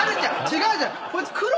違うじゃん。